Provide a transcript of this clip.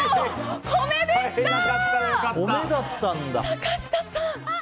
坂下さん！